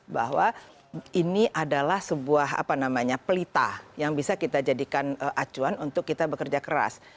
bahwa ini adalah sebuah pelita yang bisa kita jadikan acuan untuk kita bekerja keras